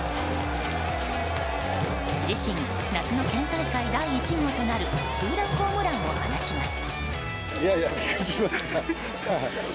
自身、夏の県大会第１号となるツーランホームランを放ちます。